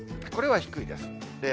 これは低いです。